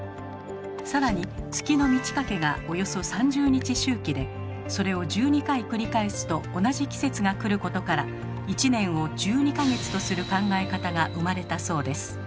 更に月の満ち欠けがおよそ３０日周期でそれを１２回繰り返すと同じ季節が来ることから１年を１２か月とする考え方が生まれたそうです。